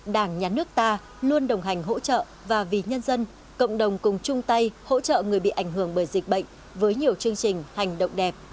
đảng nhà nước ta luôn đồng hành hỗ trợ và vì nhân dân cộng đồng cùng chung tay hỗ trợ người bị ảnh hưởng bởi dịch bệnh với nhiều chương trình hành động đẹp